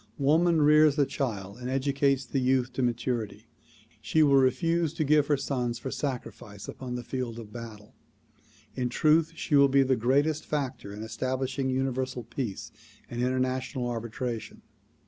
Woman rears the child and educates the youth to maturity. She will refuse to give her sons for sacrifice upon the field of battle. In truth she will be the greatest factor in establishing Universal Peace and international arbitration.